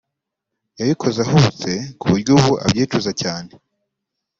yabikoze ahubutse ku buryo ubu abyicuza cyane